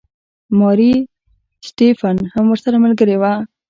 ماري سټیفن هم ورسره ملګرې وه.